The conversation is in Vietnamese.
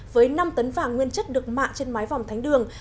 với năm tấn vàng nguyên chất được mạ trên mái vòng thánh đường